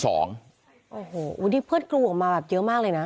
โอ้โหวันนี้เพื่อนกรูออกมาแบบเยอะมากเลยนะ